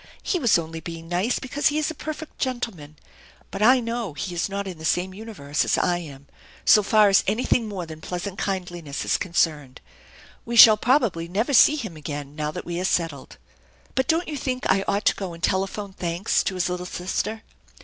He was only being nice because he is a perfect gentleman; but I know he is not in the same universe as I am, so far as anything more than pleasant kindliness is concerned. We shall probably never see him again now that we are settled. But don't you think I ought to go and telephone thanks to his little sister?